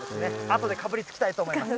あとでかぶりつきたいと思います。